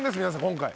今回。